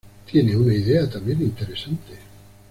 tiene una idea también interesante